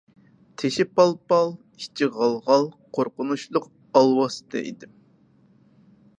تېشى پال-پال، ئىچى غال-غال قورقۇنچلۇق ئالۋاستى ئىدىم.